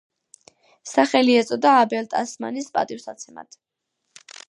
სახელი ეწოდა აბელ ტასმანის პატივსაცემად.